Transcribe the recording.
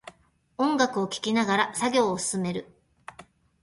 音楽を聴きながら作業を進める